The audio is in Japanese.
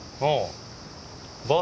ああ。